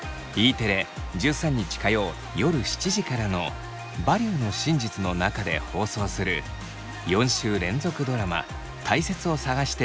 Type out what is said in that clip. テレ１３日火曜夜７時からの「バリューの真実」の中で放送する４週連続ドラマ「たいせつを探して」